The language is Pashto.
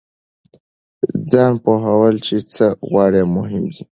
ځان پوهول چې څه غواړئ مهم دی.